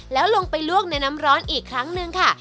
แล้วลงไปลวกในน้ำร้อนอีกครั้งหนึ่งค่ะ